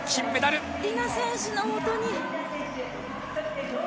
ディナ選手のもとに。